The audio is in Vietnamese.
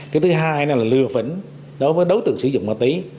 cái thứ hai là lừa phỉnh đối với đối tượng sử dụng ma túy